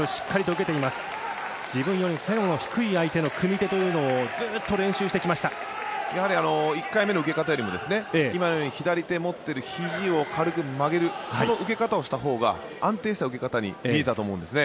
自分より背の低い相手の組み手というのを１回目の受け方よりも今のように左手を持っているひじを軽く曲げるその受け方をした方が安定した受け方に見えたと思うんですね。